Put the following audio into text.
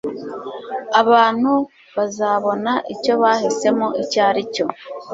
Abantu bazabona icyo bahisemo icyo aricyo